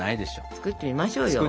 作ってみましょう！